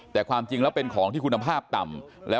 แต่ความจริงแล้วเป็นของที่คุณภาพต่ำ